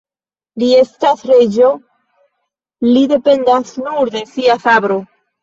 Li estas reĝo, li dependas nur de sia sabro.